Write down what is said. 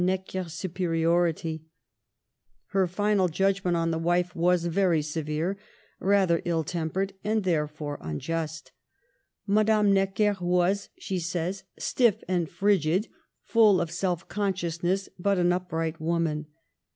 Necker's superiority. Her final judgment Digitized by VjOOQIC 14 MADAME DE STAEL. on the wife was very severe, rather ill tempered, and therefore unjust. Madame Necker was, she says, " stiff and frigid, full of self consciousness, but an upright woman."